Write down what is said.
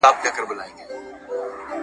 تا هم کړي دي د اور څنګ ته خوبونه؟ ,